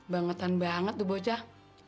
bangetan banget tuh bocah